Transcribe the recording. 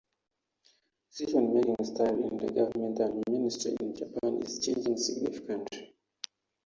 Decision-making style in the government and ministry in Japan is changing significantly.